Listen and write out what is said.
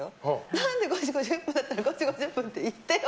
何で５時５０分だったら５時５０分って言ってよ！